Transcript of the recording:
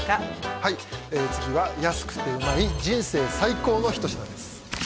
はい次は安くてうまい人生最高の一品です